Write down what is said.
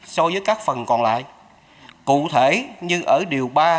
so với các phần còn lại cụ thể như ở điều ba